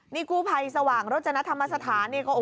นี่กูไปสว่างรัฐนะธรรมสถาน